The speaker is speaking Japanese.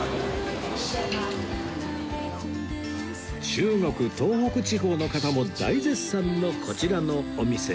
中国東北地方の方も大絶賛のこちらのお店